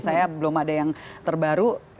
saya belum ada yang terbaru